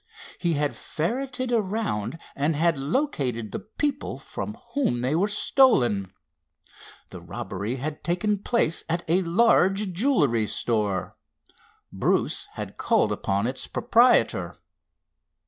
He had ferreted around and had located the people from whom they were stolen. The robbery had taken place at a large jewelry store. Bruce had called upon its proprietor.